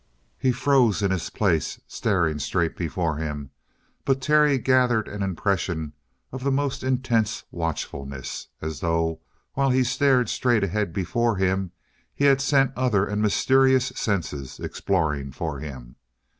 He froze in his place, staring straight before him; but Terry gathered an impression of the most intense watchfulness as though, while he stared straight before him, he had sent other and mysterious senses exploring for him.